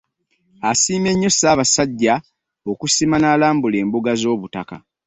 Asiimye nnyo ssaabasajja okusiima n'alambuula embuga z'obutaka